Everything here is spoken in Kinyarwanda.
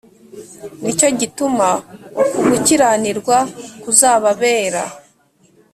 ni cyo gituma uku gikiranirwa kuzababera